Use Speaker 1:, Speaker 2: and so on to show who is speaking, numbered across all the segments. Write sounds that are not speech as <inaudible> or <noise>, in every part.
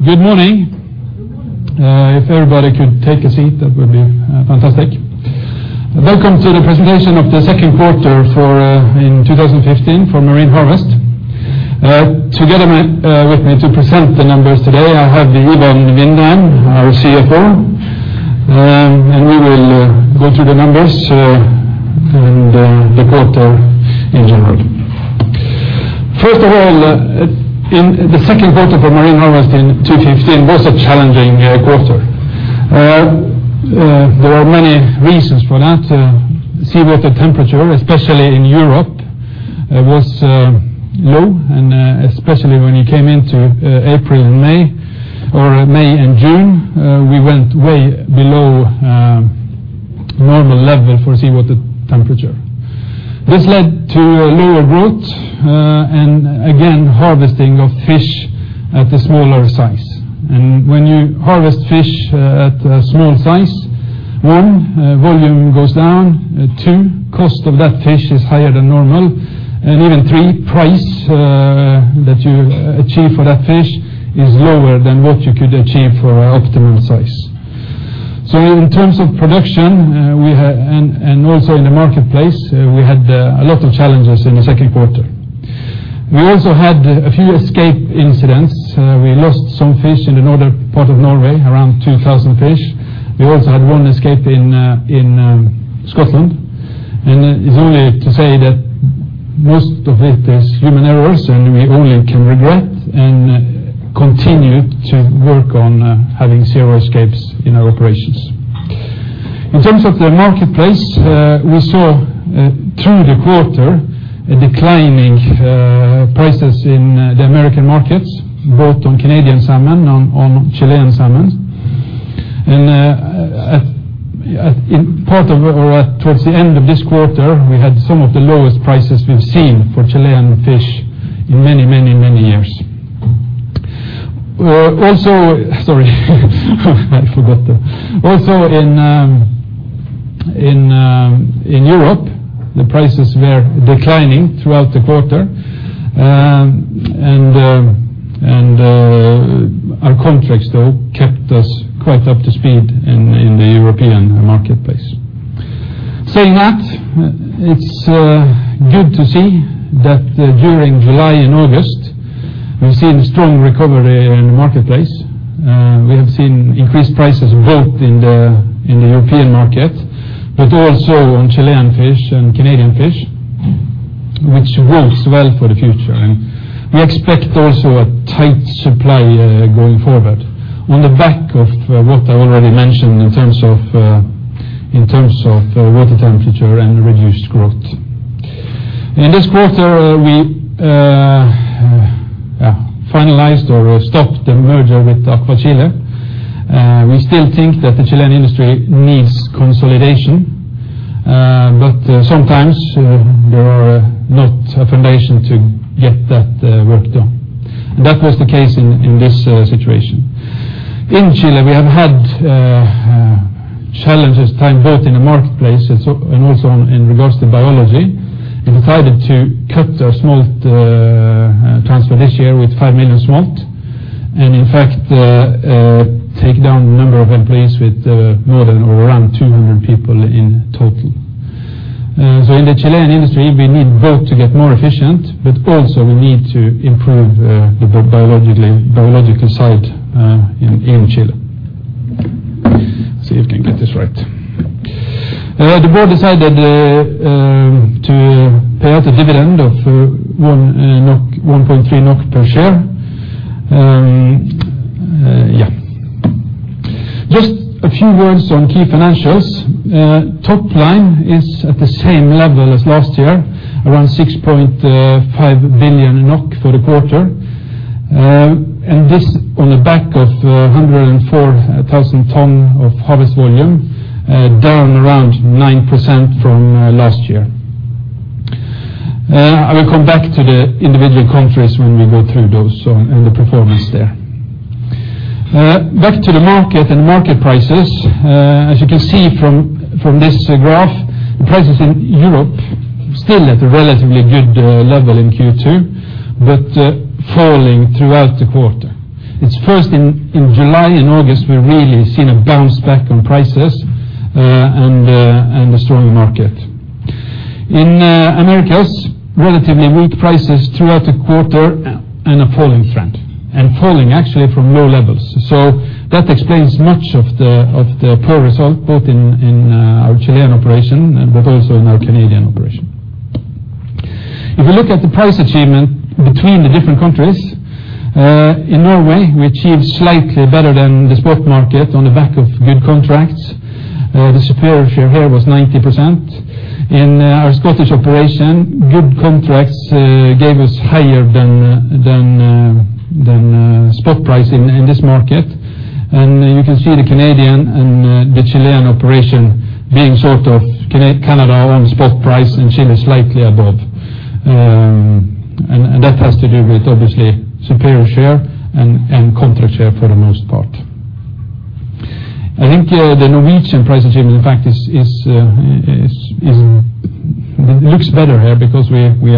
Speaker 1: Good morning. If everybody could take a seat, that would be fantastic. Welcome to the Presentation of the Q2 in 2015 for Marine Harvest. Together with me to present the numbers today, I have Ivan Vindheim our CFO, and we will go through the numbers and the quarter in general. First of all, the Q2 for Marine Harvest in 2015 was a challenging quarter. There are many reasons for that. Seawater temperature, especially in Europe, was low and especially when you came into April and May or May and June, we went way below normal level for seawater temperature. This led to lower growth, and again, harvesting of fish at the smaller size. When you harvest fish at a small size, one, volume goes down, two, cost of that fish is higher than normal, and even three, price that you achieve for that fish is lower than what you could achieve for optimal size. In terms of production and also in the marketplace, we had a lot of challenges in the Q2. We also had a few escape incidents. We lost some fish in the northern part of Norway, around 2,000 fish. We also had one escape in Scotland, and it's only to say that most of it is human errors, and we only can regret and continue to work on having zero escapes in our operations. In terms of the marketplace, we saw through the quarter declining prices in the American markets, both on Canadian salmon, on Chilean salmon. Towards the end of this quarter, we had some of the lowest prices we've seen for Chilean fish in many years. Sorry, I forgot that. In Europe, the prices were declining throughout the quarter. Our contracts though, kept us quite up to speed in the European marketplace. Saying that, it's good to see that during July and August, we've seen strong recovery in the marketplace. We have seen increased prices both in the European market, but also on Chilean fish and Canadian fish, which bodes well for the future. We expect also a tight supply, going forward. On the back of what I already mentioned in terms of water temperature and reduced growth. In this quarter, we finalized or stopped the merger with AquaChile. We still think that the Chilean industry needs consolidation. Sometimes there are not a foundation to get that work done. That was the case in this situation. In Chile, we have had challenges both in the marketplace and also in regards to biology, and decided to cut our smolt transfer this year with five million smolt. In fact, take down the number of employees with more than or around 200 people in total. In the Chilean industry, we need both to get more efficient, but also we need to improve the biological side in Chile. See if we can get this right. The board decided to pay out a dividend of 1.3 NOK per share. Just a few words on key financials. Top line is at the same level as last year, around 6.5 billion NOK for the quarter. This on the back of 104,000 ton of harvest volume, down around 9% from last year. I will come back to the individual countries when we go through those and the performance there. Back to the market and market prices. You can see from this graph, the prices in Europe still at a relatively good level in Q2, but falling throughout the quarter. It's first in July and August, we're really seeing a bounce back on prices and a stronger market. In Americas, relatively weak prices throughout the quarter and a falling trend, and falling actually from low levels. That explains much of the poor result, both in our Chilean operation, but also in our Canadian operation. If you look at the price achievement between the different countries, in Norway, we achieved slightly better than the spot market on the back of good contracts. The superior share here was 90%. In our Scottish operation, good contracts gave us higher than spot price in this market. You can see the Canadian and the Chilean operation being sort of Canada on spot price and Chile slightly above. That has to do with obviously superior share and contract share for the most part. I think the Norwegian price in fact looks better because we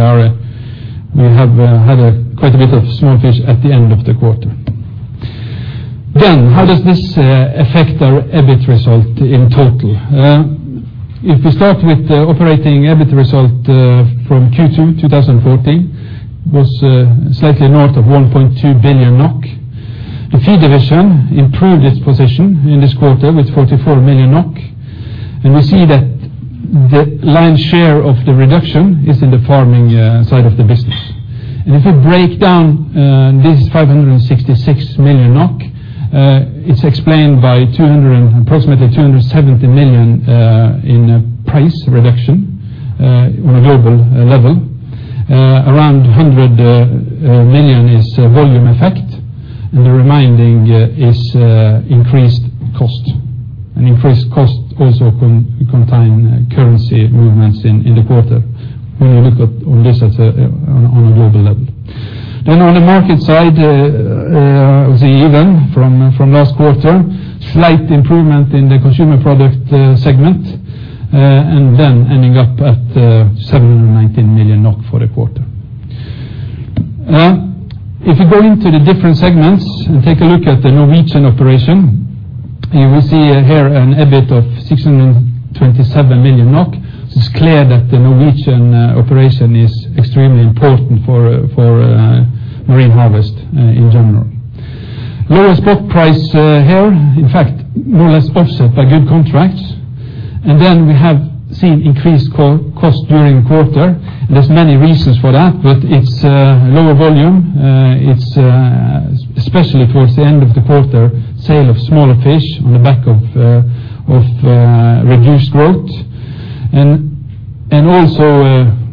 Speaker 1: have had a quite a bit of small fish at the end of the quarter. How does this affect our EBIT result in total? If we start with the operating EBIT result from Q2 2014 was slightly north of 1.2 billion NOK. The feed division improved its position in this quarter with 44 million NOK. We see that the lion's share of the reduction is in the farming side of the business. If we break down this 566 million NOK, it's explained by approximately 270 million in price reduction on a global level. around 100 million is volume effect. The remaining is increased cost. Increased cost also contain currency movements in the quarter when you look at this on a global level. On the market side, as given from last quarter, slight improvement in the consumer product segment, and then ending up at 719 million NOK for the quarter. If you go into the different segments and take a look at the Norwegian operation, you will see here an EBIT of 627 million NOK. It's clear that the Norwegian operation is extremely important for Marine Harvest in general. Lower spot price here, in fact, more than offset by good contracts. We have seen increased cost during the quarter. There's many reasons for that, but it's lower volume. It's especially towards the end of the quarter, sale of smaller fish on the back of reduced growth. Also,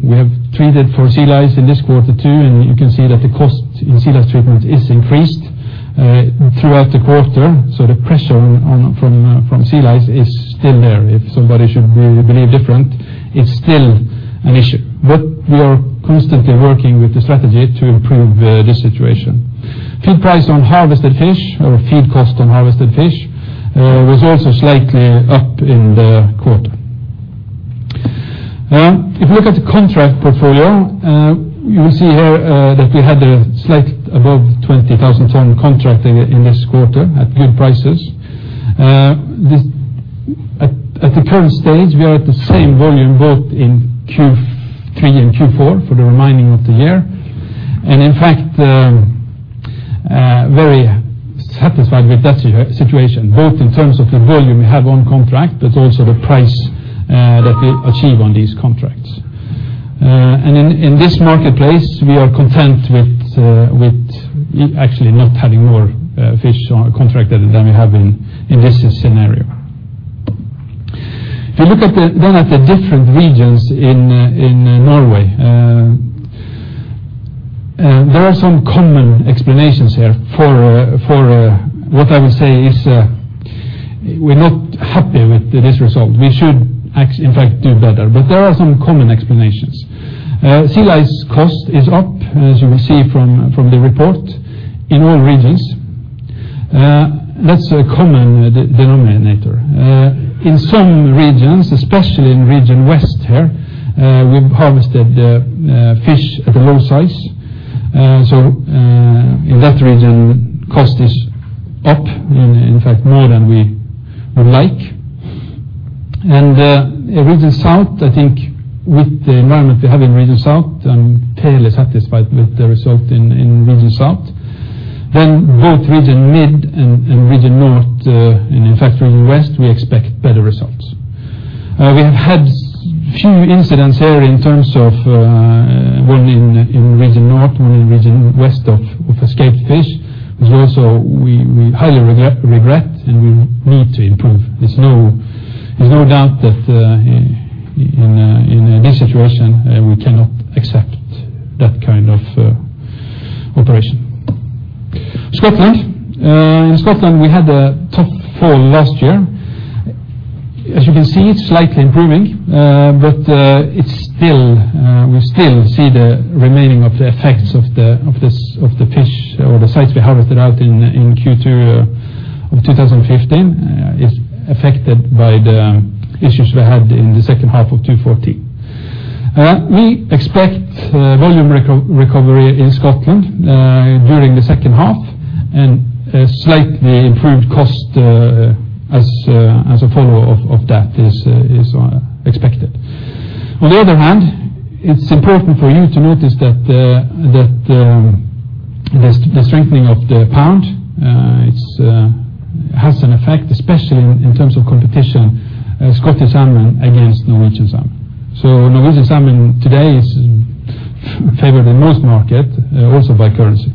Speaker 1: we have treated for sea lice in this quarter too. You can see that the cost in sea lice treatment is increased throughout the quarter. The pressure from sea lice is still there. If somebody should believe different, it's still an issue. We are constantly working with the strategy to improve the situation. Feed price on harvested fish or feed cost on harvested fish was also slightly up in the quarter. If you look at the contract portfolio, you'll see here that we had a slight above 20,000 tons contract in this quarter at good prices. At the current stage, we are at the same volume both in Q3 and Q4 for the remaining of the year. In fact, very satisfied with that situation, both in terms of the volume we have on contract but also the price that we achieve on these contracts. In this marketplace, we are content with actually not having more fish contracted than we have in this scenario. If you look at the different regions in Norway, there are some common explanations here for what I will say is we're not happy with this result. We should in fact do better, there are some common explanations. Sea lice cost is up, as you will see from the report, in all regions. That's a common denominator. In some regions, especially in region west here, we've harvested the fish at a low size. In that region, cost is up, in fact, more than we would like. Region south, I think with the moment we have in region south, I am fairly satisfied with the result in region south. Both region mid and region north, in fact region west, we expect better results. We have had few incidents there in terms of one in region north, one in region west of escaped fish, which also we highly regret, and we need to improve. There is no doubt that in this situation we cannot accept that kind of operation. Scotland. In Scotland we had a tough fall last year. As you can see, it is slightly improving, but we still see the remaining of the effects of the fish or the sites we harvested out in Q2 of 2015 is affected by the issues we had in the second half of 2014. We expect volume recovery in Scotland during the second half and slightly improved cost as a follow-off of that is expected. On the other hand, it is important for you to notice that the strengthening of the pound has an effect, especially in terms of competition, Scottish salmon against Norwegian salmon. Norwegian salmon today is favored in most market also by currency.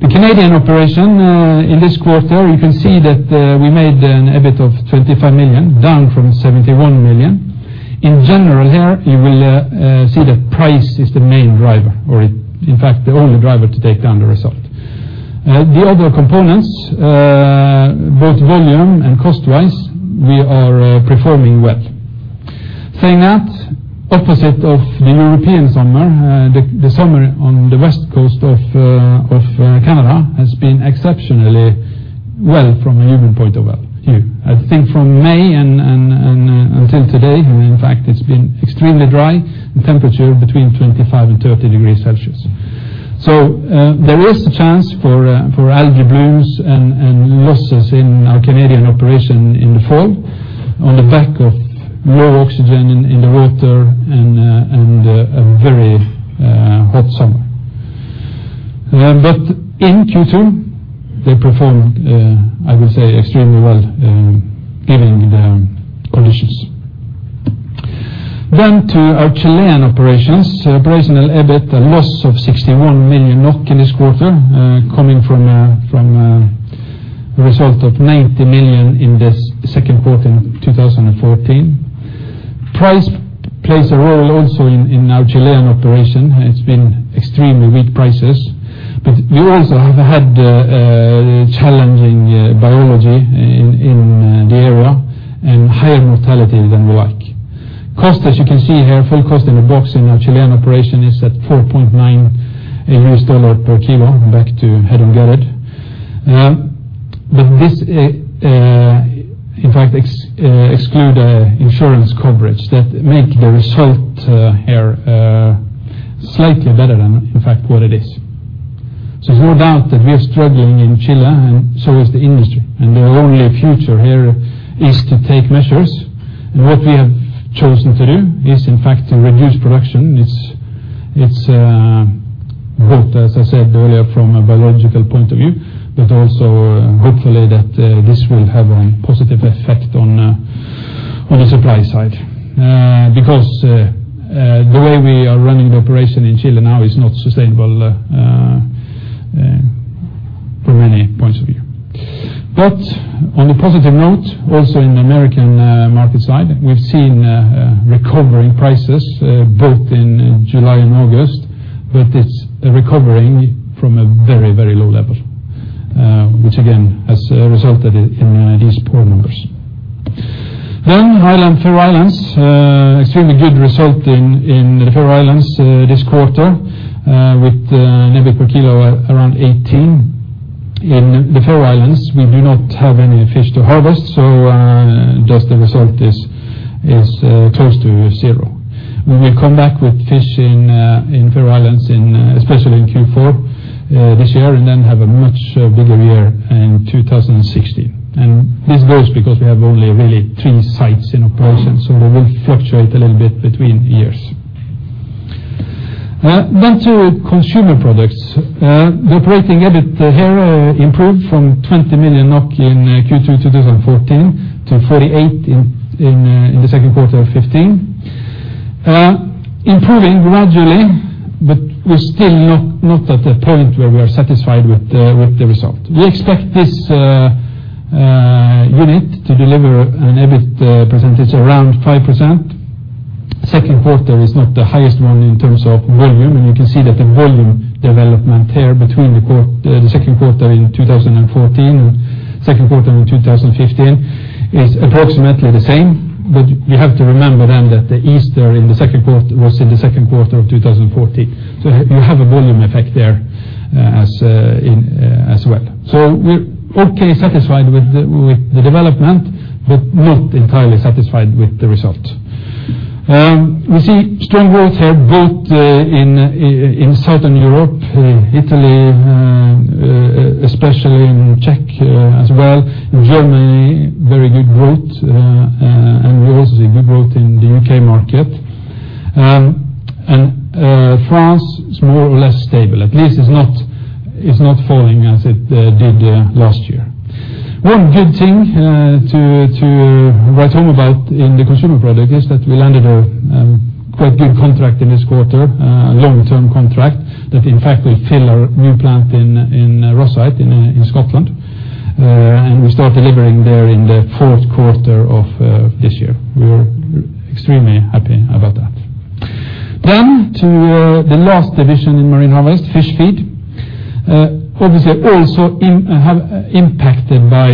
Speaker 1: The Canadian operation in this quarter, you can see that we made an EBIT of 25 million, down from 71 million. In general here, you will see that price is the main driver, or in fact, the only driver to take down the result. The other components, both volume and cost-wise, we are performing well. Saying that, opposite of the European summer, the summer on the west coast of Canada has been exceptionally well from a human point of view. I think from May until today, in fact, it's been extremely dry and temperature between 25 and 30 degrees Celsius. There is a chance for algal blooms and losses in our Canadian operation in the fall on the back of low oxygen in the water and a very hot summer. In Q2, they performed, I would say, extremely well given the conditions. To our Chilean operations. Operational EBIT, a loss of 61 million NOK in this quarter, coming from a result of 90 million in the Q2 in 2014. Price plays a role also in our Chilean operation. It's been extremely weak prices, but we also have had challenging biology in the area and higher mortality than we like. Cost, as you can see here, full cost in the box in our Chilean operation is at $4.9 per kilo, back to head-on gutted. This, in fact, exclude insurance coverage that make the result here slightly better than in fact what it is. There's no doubt that we are struggling in Chile and so is the industry. The only future here is to take measures, and what we have chosen to do is, in fact, to reduce production. It's both, as I said earlier, from a biological point of view, but also hopefully that this will have a positive effect on the supply side. Because the way we are running the operation in Chile now is not sustainable from many points of view. On a positive note, also in the American market side, we've seen recovering prices both in July and August. It's recovering from a very low level, which again, has resulted in these poor numbers. Ireland Faroe Islands. Extremely good result in the Faroe Islands this quarter with EBIT per kilo around 18. In the Faroe Islands, we do not have any fish to harvest, thus the result is close to zero. We will come back with fish in Faroe Islands especially in Q4 this year then have a much bigger year in 2016. This goes because we have only really three sites in operation, they will fluctuate a little bit between years. To consumer products. The operating EBIT here improved from 20 million NOK in Q2 2014 to 48 million in the Q2 of 2015. Improving gradually, we're still not at the point where we are satisfied with the result. We expect this unit to deliver an EBIT percentage around 5%. Q2 is not the highest one in terms of volume. You can see that the volume development here between the Q2 in 2014 and Q2 in 2015 is approximately the same. You have to remember that Easter was in the Q2 of 2014. You have a volume effect there as well. We're okay satisfied with the development, not entirely satisfied with the result. We see strong growth here both in Southern Europe, Italy, especially in Czech as well, in Germany, very good growth. We also see good growth in the UK market. France, more or less stable. At least it's not falling as it did last year. One good thing to write home about in the consumer product is that we landed a quite good contract in this quarter, a long-term contract that in fact will fill our new plant in Rosyth in Scotland. We start delivering there in the Q4 of this year. We're extremely happy about that. To the last division in Marine Harvest, Fish Feed. Obviously also have impacted by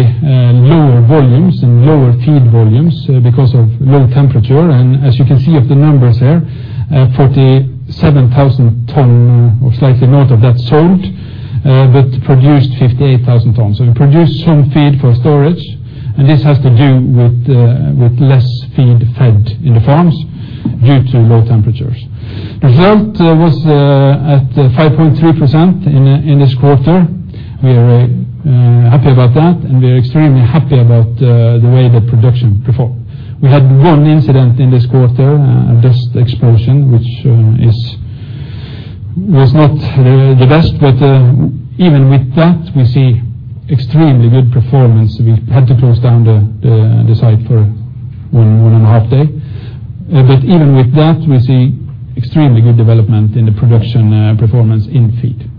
Speaker 1: lower volumes and lower feed volumes because of low temperature. As you can see of the numbers there, 47,000 tons or slightly more of that sold, but produced 58,000 tons. We produced some feed for storage, and this has to do with less feed fed in the farms due to low temperatures. Result was at 5.3% in this quarter. We are happy about that, and we are extremely happy about the way that production performed. We had one incident in this quarter, a dust explosion, which was not the best. Even with that, we see extremely good performance. We had to close down the site for one and a half day. Even with that, we see extremely good development in the production performance in feed.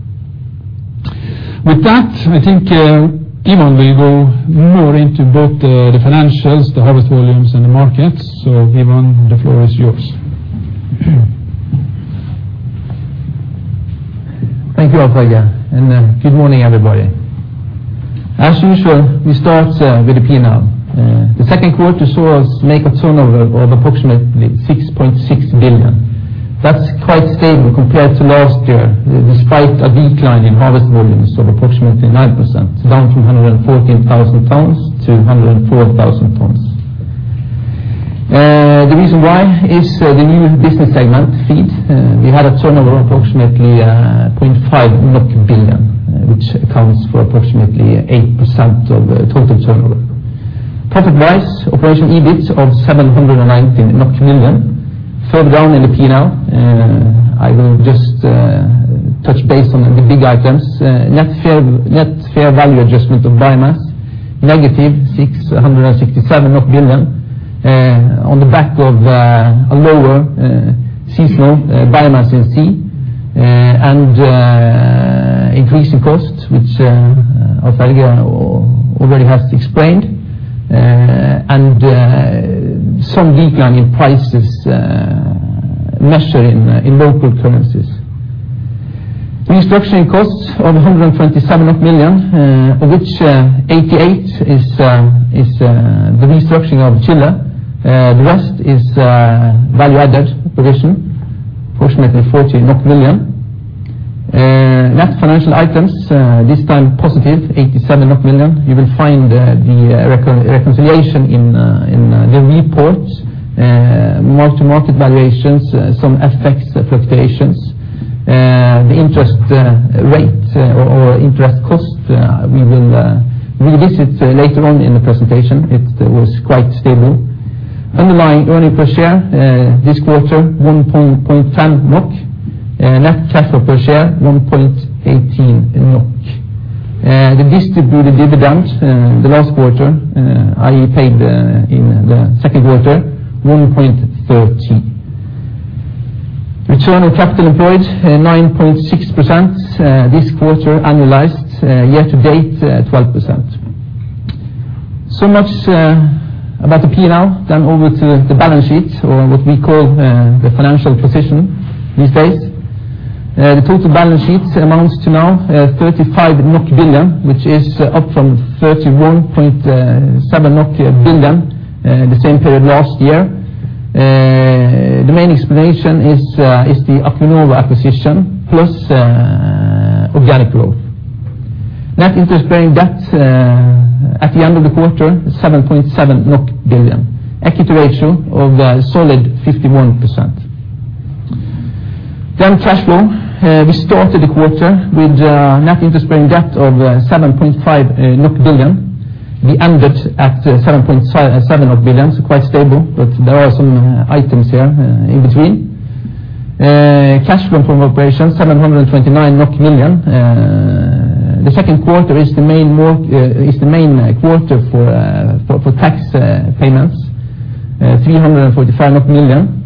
Speaker 1: With that, I think Ivan will go more into both the financials, the harvest volumes, and the markets. Ivan, the floor is yours.
Speaker 2: Thank you, Alf-Helge. Good morning, everybody. As usual, we start with EBIT. The Q2 saw us make a turnover of approximately 6.6 billion. That's quite stable compared to last year, despite a decline in harvest volumes of approximately 9%, down from 114,000 tons to 104,000 tons. The reason why is the new business segment feed. We had a turnover of approximately 0.5 billion, which accounts for approximately 8% of the total turnover. Operating EBIT of 719 million. Further down in the P&L, I will just touch base on the big items. Net fair value adjustment of biomass, -667 million, on the back of lower seasonal biomass in sea and increasing costs, which Alf already has explained, and some decline in prices measured in local currencies. Restructuring costs of 157 million, of which 88 million is the restructuring of Chile. The rest is value-added production, approximately 40 million. Net financial items, this time positive 87 million. You will find the reconciliation in the report. Mark-to-market valuations, some FX fluctuations. The interest rate or interest cost, we will visit later on in the presentation. It was quite stable. Underlying earnings per share this quarter, 1.7. Net cash per share, 1.80. The distributed dividends the last quarter, paid in the Q2, 1.30. Return on capital employed, 9.6% this quarter annualized. Year to date, 12%. So much about P&L. Over to the balance sheet, or what we call the financial position these days. The total balance sheet amounts to now 35 billion NOK, which is up from 31.7 billion NOK the same period last year. The main explanation is the Acuinova acquisition plus organic growth. Net interest-bearing debt at the end of the quarter, 7.7 billion NOK. Equity ratio of a solid 51%. Cash flow. We started the quarter with net interest-bearing debt of 7.5 billion NOK. We ended at 7.7 billion NOK. Quite stable, but there are some items here in between. Cash flow from operations, 729 million. The Q2 is the main quarter for tax payments, 345 million.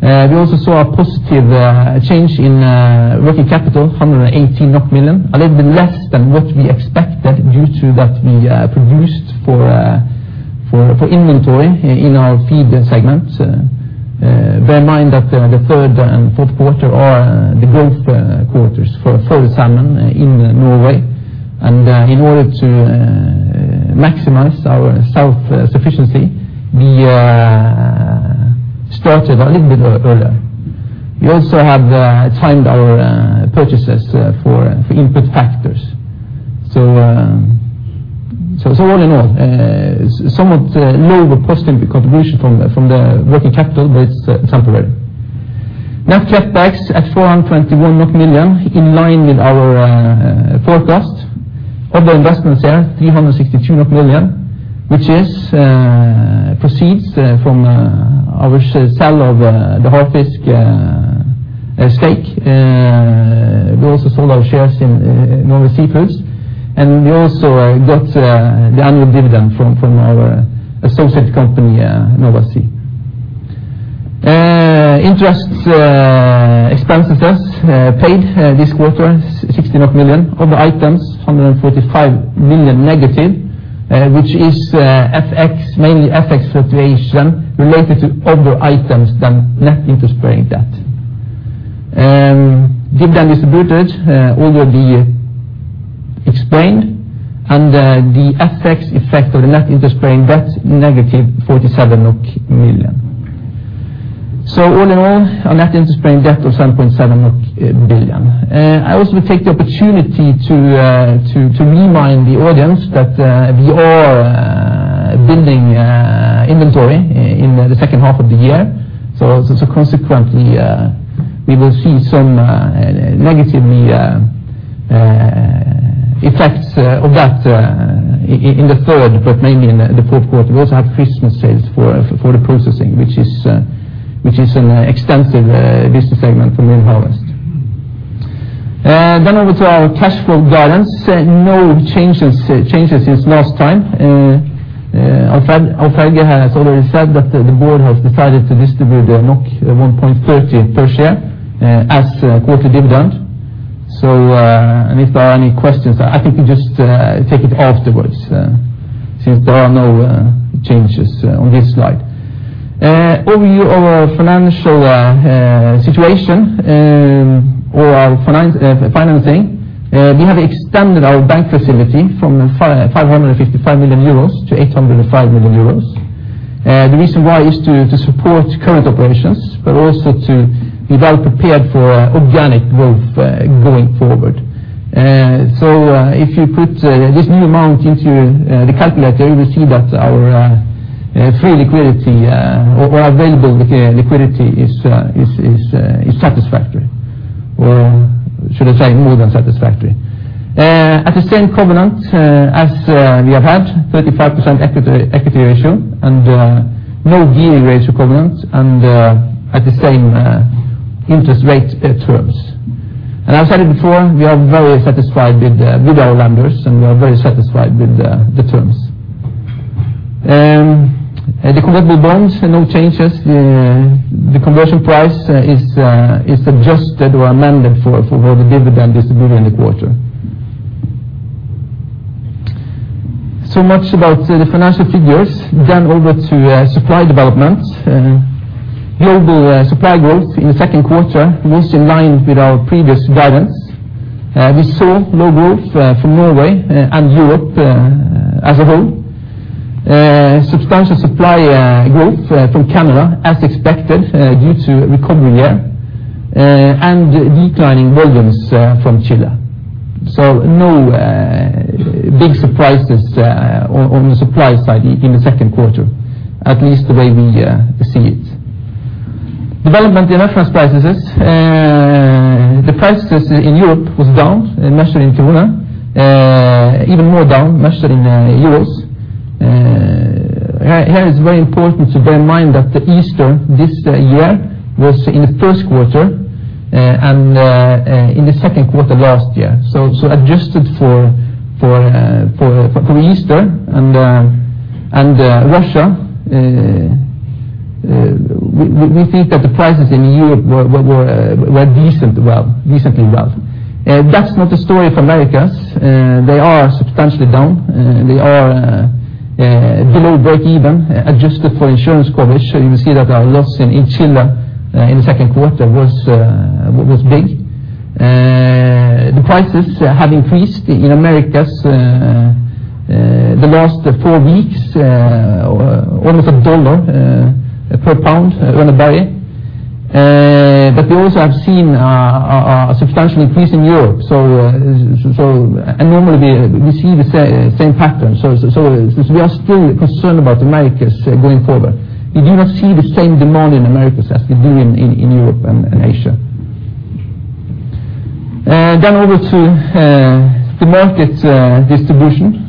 Speaker 2: We also saw a positive change in working capital, 118 million. A little bit less than what we expected due to what we produced for inventory in our Feed segment. Bear in mind that the third and Q4 are the growth quarters for salmon in Norway, and in order to maximize our self-sufficiency, we started a little bit earlier. We also have timed our purchases for input factors. All in all, somewhat lower positive contribution from the working capital, but it's temporary. Net debt at 421 million, in line with our forecast. Other investments, 362 million, which is proceeds from our sale of the Havfisk stake. We also sold our shares in Nova Sea, and we also got the annual dividend from our associate company, Nova Sea. Interest expenses paid this quarter, 60 million. Other items, -145 million, which is mainly FX fluctuation related to other items than net interest-bearing debt. Dividends distributed, already explained. The FX effect of the net interest-bearing debt, -47 million. All in all, our net interest-bearing debt of 7.7 billion. I also take the opportunity to remind the audience that we are building inventory in the second half of the year. Consequently, we will see some negative effects of that in the Q3 and mainly in the Q4. We also have Christmas sales for the processing, which is an extensive business segment for Marine Harvest. Over to our cash flow guidance. No changes since last time. Alf-Helge has already said that the board has decided to distribute the 1.30 per share as a quarter dividend. If there are any questions, I can just take it afterwards. Since there are no changes on this slide. Overview of our financial situation or our financing. We have extended our bank facility from 555 million-805 million euros. The reason why is to support current operations, but also to be well prepared for organic growth going forward. If you put this new amount into the calculator, you will see that our free liquidity or available liquidity is satisfactory, or should I say more than satisfactory. At the same covenant as we have had, 35% equity ratio and no gearing ratio covenant, and at the same interest rate terms. I've said it before, we are very satisfied with our lenders, and we are very satisfied with the terms. The convertible bonds, no changes. The conversion price is adjusted or amended for the dividend distributed in the quarter. Much about the financial figures. Over to supply development. Global supply growth in the Q2 was in line with our previous guidance. We saw low growth from Norway and Europe as a whole. Substantial supply growth from Canada, as expected, due to recovery there and declining volumes from Chile. No big surprises on the supply side in the Q2, at least the way we see it. Development in reference prices. The prices in Europe was down, measured in NOK even more down, measured in euros. Here it is very important to bear in mind that the Easter this year was in the Q1 and in the Q2 last year. Adjusted for Easter and Russia, we think that the prices in Europe were decently well. That's not the story for Americas. They are substantially down. They are below break even, adjusted for insurance coverage. You will see that our loss in Chile in the Q2 was big. The prices have increased in Americas the last four weeks, almost $1 per pound Urner Barry. We also have seen a substantial increase in Europe. Normally we see the same pattern. Since we are still concerned about Americas going forward. You do not see the same demand in Americas as we do in Europe and Asia. Over to the market distribution.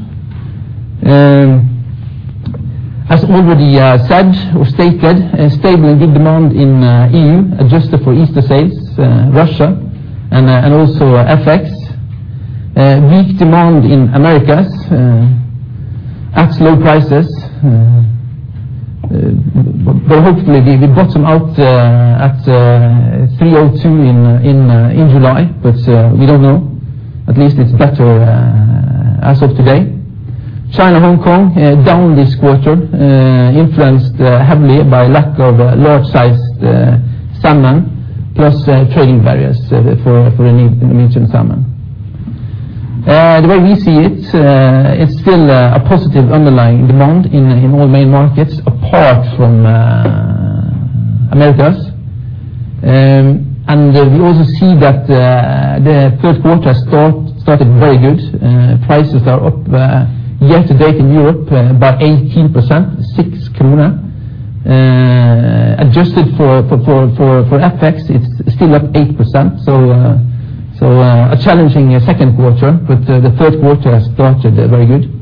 Speaker 2: As already said or stated, stable and good demand in E.U., adjusted for Easter sales, Russia, and also FX. Weak demand in Americas at low prices. Hopefully we bottom out at 3.02 in July, but we don't know. At least it's better as of today. China/Hong Kong down this quarter, influenced heavily by lack of large-sized salmon plus trading barriers for the mentioned salmon. The way we see it's still a positive underlying demand in all main markets apart from Americas. We also see that the Q3 started very good. Prices are up yet to date in Europe by 18%, 6 krone. Adjusted for FX, it's still up 8%. A challenging Q2, but the Q3 has started very good.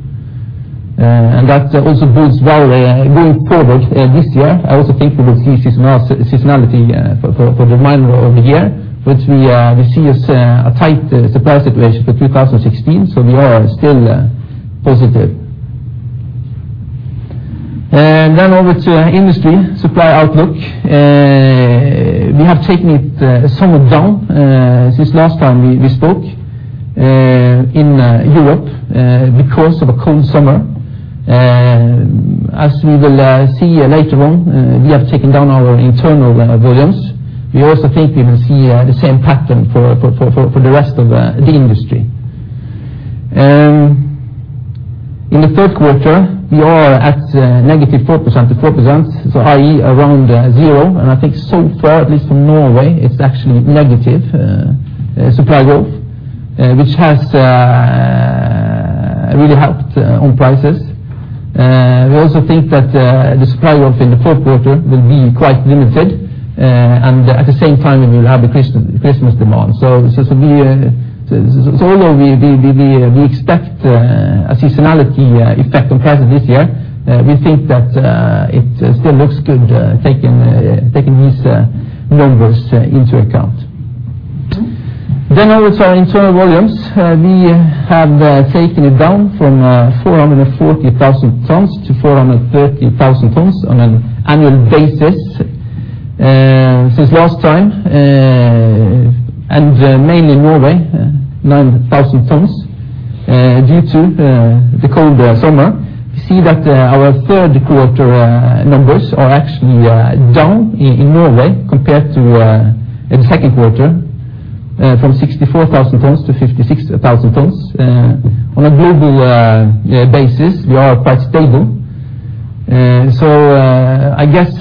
Speaker 2: That also bodes well going forward this year. I also think we will see seasonality for the remainder of the year, which we see as a tight supply situation for 2016. We are still positive. Over to industry supply outlook. We have taken it somewhat down since last time we spoke in Europe because of a cold summer. As we will see later on, we have taken down our internal volumes. We also think we will see the same pattern for the rest of the industry. In the Q3, we are at -4% to 4%, i.e., around zero. I think so far, at least from Norway, it's actually negative supply growth, which has really helped on prices. We also think that the supply growth in the Q4 will be quite limited, and at the same time, we will have the Christmas demand. Although we expect a seasonality effect on prices this year, we think that it still looks good taking these numbers into account. Over to our internal volumes. We have taken it down from 440,000 tons to 430,000 tons on an annual basis since last time, and mainly Norway, 9,000 tons, due to the cold summer. You see that our Q3 numbers are actually down in Norway compared to the Q2, from 64,000 tons to 56,000 tons. On a global basis, we are quite stable. I guess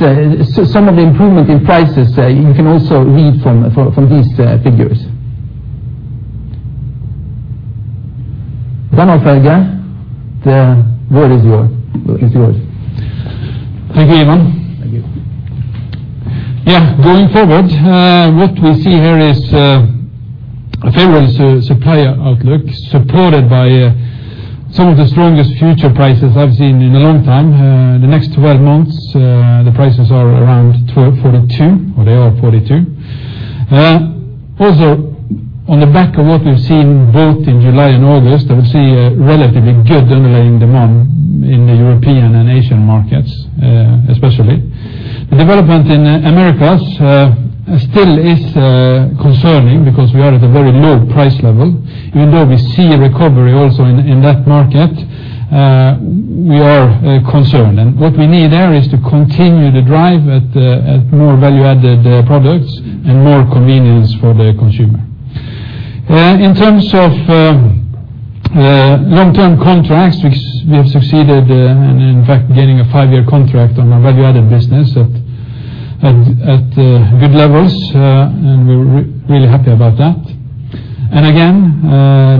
Speaker 2: some of the improvement in prices, you can also read from these figures. Alf-Helge, the floor is yours.
Speaker 1: Thank you, Ivan.
Speaker 2: Thank you.
Speaker 1: Yeah. Going forward, what we see here is a favorable supply outlook, supported by some of the strongest future prices I've seen in a long time. The next 12 months, the prices are around 12.42, or they are 42. On the back of what we've seen both in July and August, I would say a relatively good underlying demand in the European and Asian markets, especially. The development in Americas still is concerning because we are at a very low price level. Even though we see a recovery also in that market, we are concerned. What we need there is to continue the drive at more value-added products and more convenience for the consumer. In terms of long-term contracts, we have succeeded and in fact getting a five-year contract on our value-added business at good levels. We're really happy about that. Again,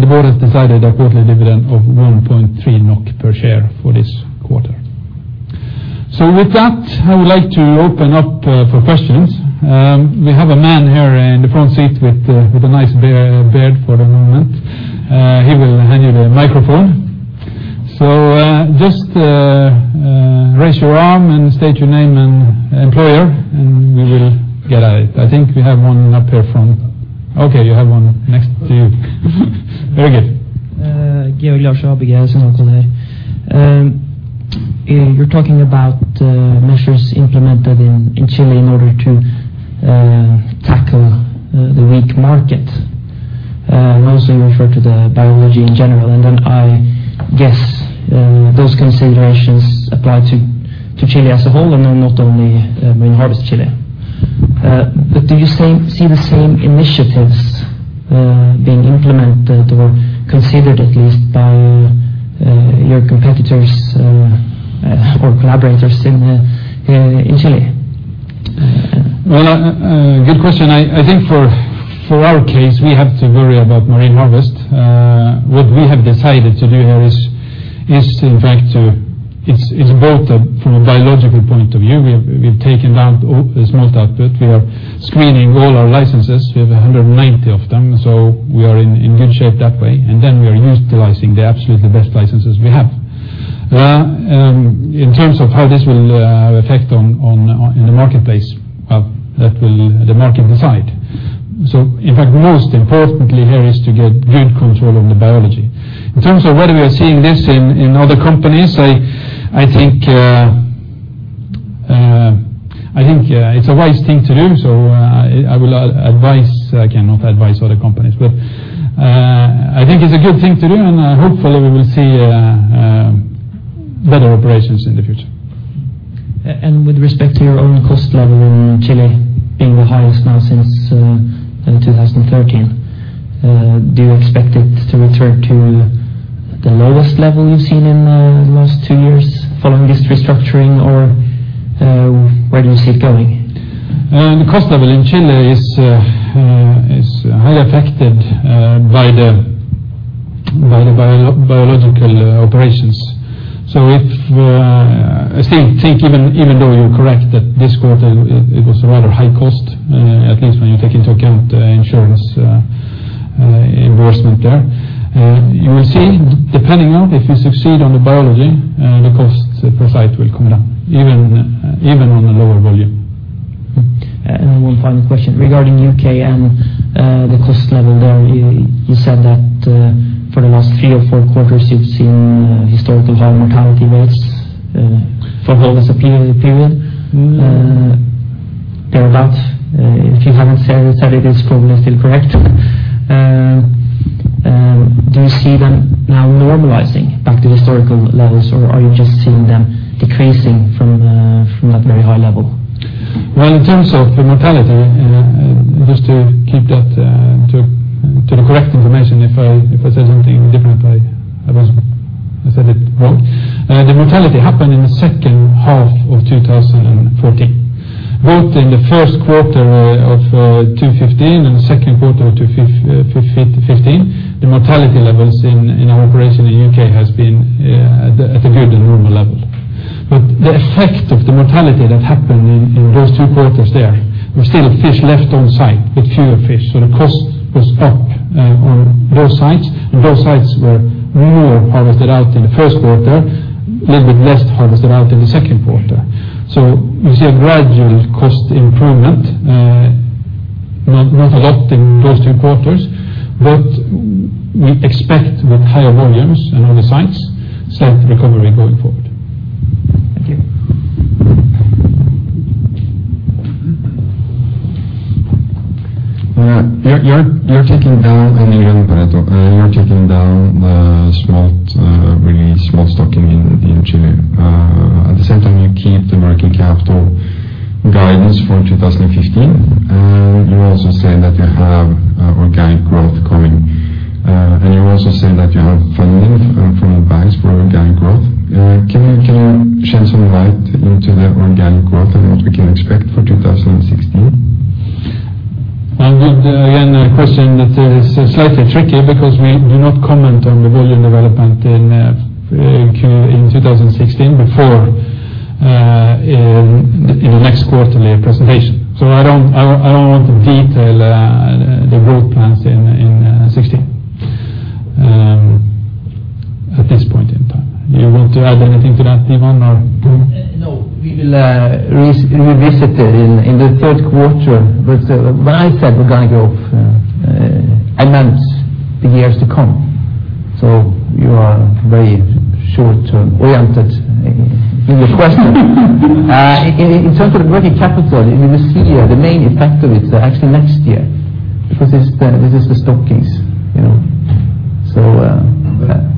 Speaker 1: the board has decided a quarterly dividend of 1.3 NOK per share for this quarter. With that, I would like to open up for questions. We have a man here in the front seat with a nice beard for the moment. He will hand you the microphone. Just raise your arm and state your name and employer, and we will get at it. I think we have one up here. Okay, you have one next to you. Very good.
Speaker 3: [Georg Lars ABG Sundal Collier]. You're talking about measures implemented in Chile in order to tackle the weak market. Also you refer to the biology in general. Then I guess those considerations apply to Chile as a whole and not only Marine Harvest Chile. Do you see the same initiatives being implemented or considered at least by your competitors or collaborators in Chile?
Speaker 1: Good question. I think for our case, we have to worry about Marine Harvest. What we have decided to do here is, in fact, it's both from a biological point of view. We've taken down a small output. We are screening all our licenses. We have 190 of them, so we are in good shape that way. Then we are utilizing the absolutely best licenses we have. In terms of how this will affect in the marketplace, well, the market decide. In fact, most importantly here is to get good control of the biology. In terms of whether we are seeing this in other companies, I think it's a wise thing to do. I will advise, I cannot advise other companies, but I think it's a good thing to do, and hopefully we will see better operations in the future.
Speaker 3: With respect to your own cost level in Chile being the highest now since 2013, do you expect it to return to the lowest level you've seen in the last two years following this restructuring? Where do you see it going?
Speaker 1: The cost level in Chile is highly affected by the biological operations. I still think even though you're correct that this quarter it was a rather high cost, at least when you take into account insurance reimbursement there. You will see, depending on if we succeed on the biology, the cost per site will come down, even on a lower volume.
Speaker 3: One final question. Regarding U.K. and the cost level there, you said that for the last three or four quarters you've seen historically high mortality rates for the whole of this period. Fair enough. If you haven't said it's probably still correct. Do you see them now normalizing back to historical levels, or are you just seeing them decreasing from that very high level?
Speaker 1: In terms of the mortality, just to keep that to the correct information, if I said something different, I said it wrong. The mortality happened in the second half of 2014. Both in the Q1 of 2015 and the Q2 of 2015, the mortality levels in our operation in U.K. has been at a good and normal level. The effect of the mortality that happened in those two quarters there was still fish left on site, but fewer fish. The cost was up on those sites, and those sites were more harvested out in the Q1, a little bit less harvested out in the Q2. We see a gradual cost improvement. Not a lot in those three quarters, but we expect with higher volumes in all the sites, so that recovery going forward.
Speaker 3: Thank you.
Speaker 4: I mean, you're taking down the really small stocking in Chile. Certainly you keep the market capital guidance from 2015. You also say that you have organic growth coming. You also say that you have funding from the banks for organic growth. Can you shed some light into the organic growth and what we can expect for 2016?
Speaker 1: Again, a question that is slightly tricky because we do not comment on the volume development in 2016 before in the next quarterly presentation. I don't want to detail the growth plans in 2016 at this point in time. You want to add anything to that, Ivan?
Speaker 2: No. We will revisit it in the Q3. When I said organic growth, I meant the years to come. You are very short-term oriented in your question. In terms of working capital, you will see the main effect of it actually next year because this is the stockings.
Speaker 1: The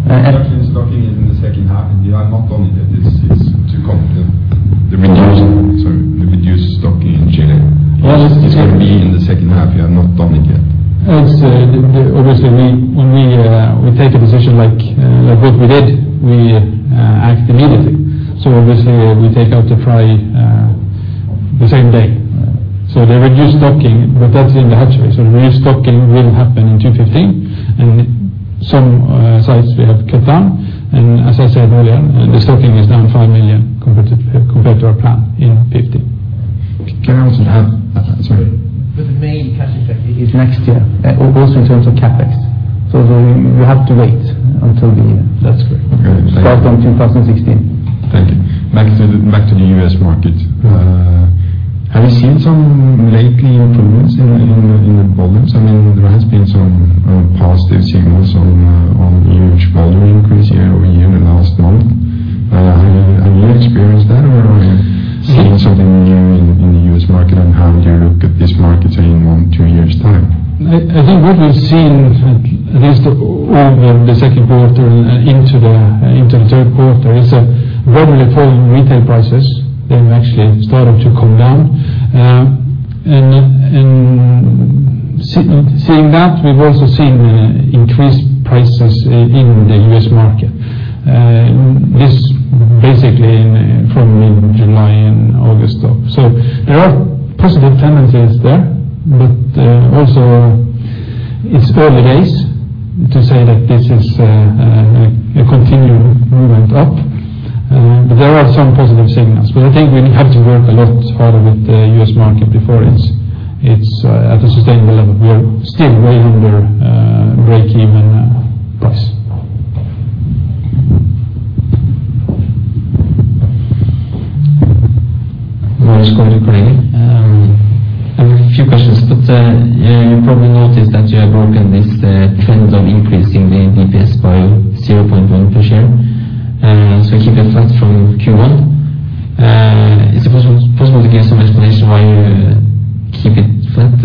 Speaker 1: reduction stocking in the second half, you are not done yet. This is to come yet. The reduced- Sorry. The reduced stocking in Chile.
Speaker 4: It's going to be in the second half. You are not done yet?
Speaker 1: Obviously, when we take a decision like what we did, we activate it. Obviously, we take out the fry the same day. There were reduced stocking, but that's in the hatchery. Reduced stocking will happen in 2015, and some sites we have cut down. As I said, volume, the stocking is down five million compared to our plan in 2015.
Speaker 4: Down five, sorry.
Speaker 2: The main cash effect is next year, also in terms of CapEx. You have to wait until the next quarter. Start of 2016.
Speaker 4: Thank you. Back to the US market. Have you seen some lately improvements in the volumes? I mean, there has been some positive signals on huge volume increase year-over-year in the last month. Have you experienced that? Or are you seeing something new in the US market and how do you look at this market say in one, two years' time?
Speaker 1: I think what we've seen at least over the Q2 into the Q3 is that volume fall in retail prices and actually starting to come down. Seeing that, we've also seen increased prices in the US market. This basically from mid-July and August up. There are positive tendencies there, but also it's early days to say that this is a continued movement up. There are some positive signals. I think we have to work a lot harder with the US market before it's at a sustainable level. We are still way under breakeven price.
Speaker 5: <inaudible> A few questions, but you probably noticed that you have broken this trend of increasing the DPS by 0.1% to keep it flat from Q1. I suppose you could give some explanation why you keep it flat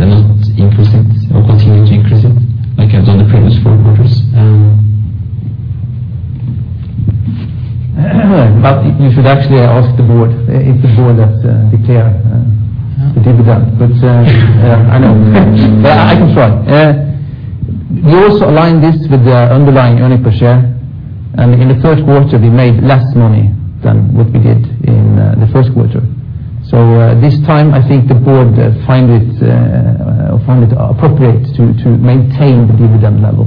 Speaker 5: and not increase it or continue to increase it like you've done the previous four quarters.
Speaker 1: You should actually ask the board. It's the board that declare the dividend, but I can try. We also align this with the underlying earning per share. In the Q1, we made less money than what we did in the Q1. This time, I think the board find it appropriate to maintain the dividend level.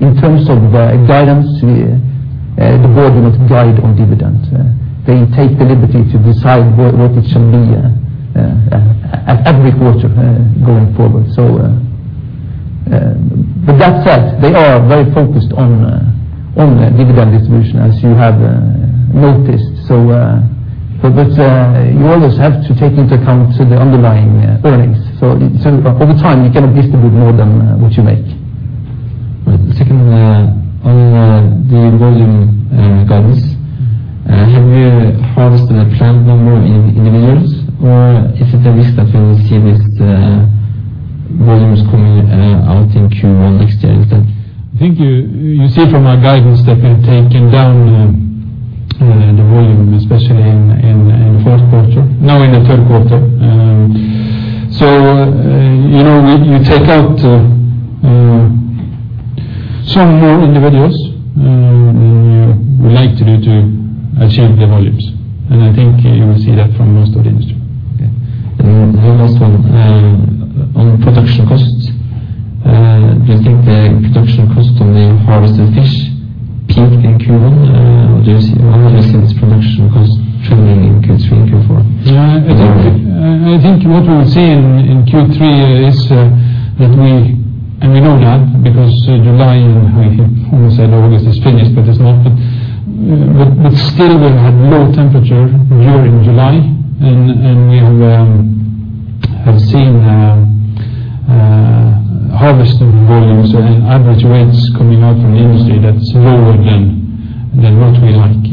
Speaker 1: In terms of guidance, the board do not guide on dividend. They take the liberty to decide what it should be at every quarter going forward. That said, they are very focused on dividend distribution, as you have noticed. You always have to take into account the underlying earnings. Over time, we cannot distribute more than what you make.
Speaker 5: The second on the volume guidance. Have you harvested the planned volume in the yields, or if I missed that, you will see this volumes coming out in Q1 next year?
Speaker 1: I think you see from our guidance that we've taken down the volume, especially in Q4. Now in the Q3. We take out some more individuals than we likely to achieve the volumes. I think you will see that from most of the industry.
Speaker 5: Okay. Last one. On production costs, do you think the production cost on the harvested fish peaked in Q1? How is its production cost trending in Q3 and Q4?
Speaker 1: I think what we see in Q3 is that we know that because July, and we almost said August is finished, but it's not. Still we've had low temperature during July, and we have seen harvested volumes and average weights coming out from the industry that's lower than what we like.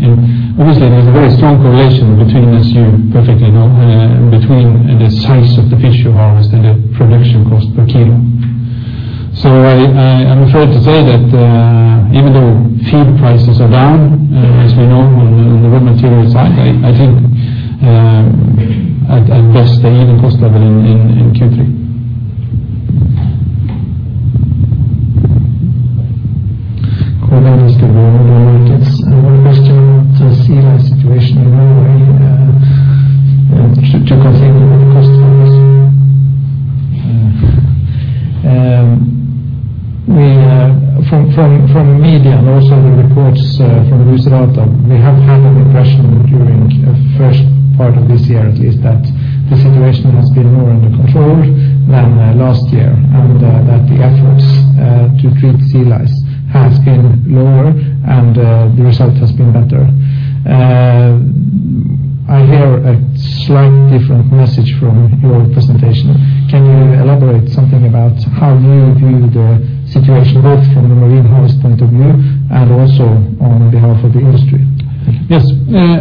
Speaker 1: Obviously, there's a very strong correlation, as you perfectly know, between the size of the fish you harvest and the production cost per kilo. I'm afraid to say that even though feed prices are down, as we know on the raw material side, I think at best the even cost level in Q3.
Speaker 6: Ole from DNB Markets. One question about the sea lice situation in Norway to continue with the cost conversation. From the media and also the reports from Nofima, we have had an impression during the first part of this year at least that the situation has been more under control than last year, and that the efforts to treat sea lice has been lower and the result has been better. I hear a slight different message from your presentation. Can you elaborate something about how you view the situation, both from the Marine Harvest point of view and also on behalf of the industry? Thank you.
Speaker 1: Yes.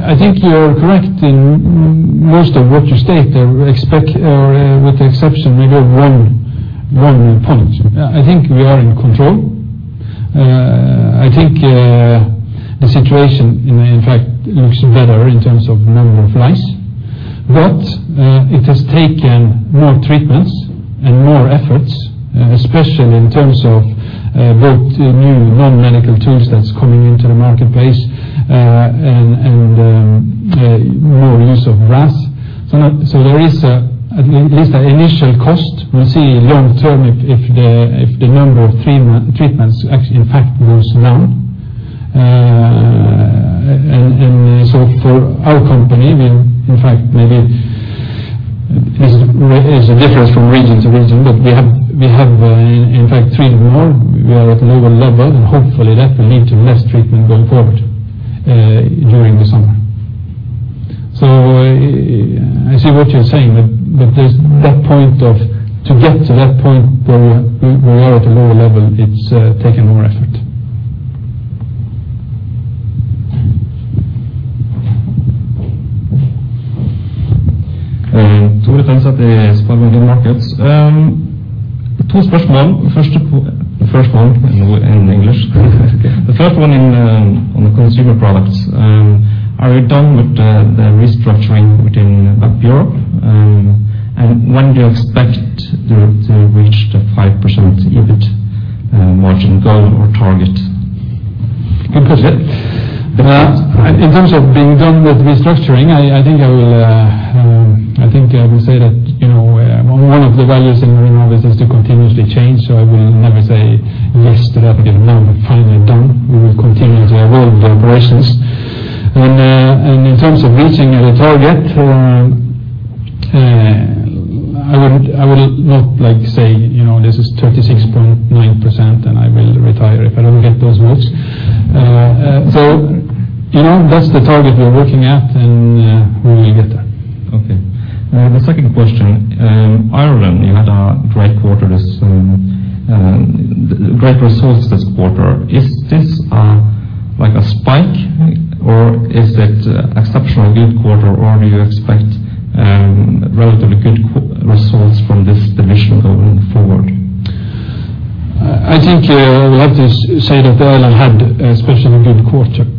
Speaker 1: I think you are correct in most of what you state there, with the exception maybe of one point. I think we are in control. I think the situation, in fact, looks better in terms of number of lice. It has taken more treatments and more efforts, especially in terms of both new non-medical tools that's coming into the marketplace and more use of RAS. There is at least an initial cost. We'll see long-term if the number of treatments actually, in fact, goes down. For our company, in fact, maybe there's a difference from region to region, but we have in fact treated more. We are at a lower level, and hopefully that will lead to less treatment going forward during the summer. I see what you're saying, but to get to that point where we are at a lower level, it's taken more effort.
Speaker 7: Tore Tønseth, SpareBank 1 Markets. Two questions. The first one in English.
Speaker 1: Okay.
Speaker 7: The first one on the consumer products. Are you done with the restructuring within Europe? When do you expect to reach the 5% EBIT margin goal or target?
Speaker 1: Good question. In terms of being done with restructuring, I think I will say that one of the values in Marine Harvest is to continuously change, so I will never say yes to that. I get more than finally done. We will continue to evolve the operations. In terms of reaching the target, I would not say this is 36.9% and I will retire if I don't get those numbers. That's the target we're working at, and we will get there.
Speaker 7: Okay. The second question. Ireland, you had a great results this quarter. Is this like a spike, or is it exceptional good quarter, or do you expect relatively good results from this division going forward?
Speaker 1: I think I would like to say that Ireland had an especially good quarter.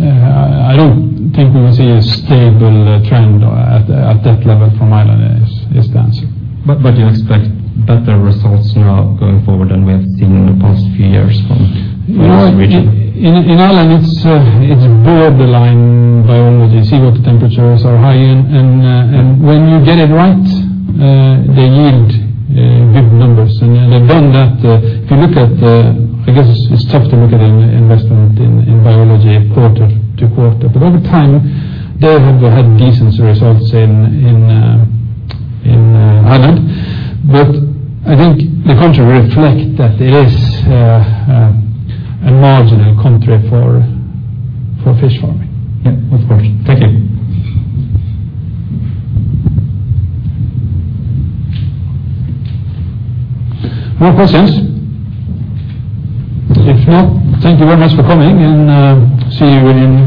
Speaker 1: I don't think we will see a stable trend at that level from Ireland is the answer.
Speaker 7: You expect better results now going forward than we have seen in the past few years from this region?
Speaker 1: In Ireland, it's borderline biology. Seawater temperatures are high, and when you get it right, they yield big numbers. They've done that. I guess it's tough to look at an investment in biology quarter to quarter. Over time, they have had decent results in Ireland. I think the country reflect that it is a marginal country for fish farming.
Speaker 7: Yeah. Of course. Thank you.
Speaker 1: More questions? If not, thank you very much for coming and see you in-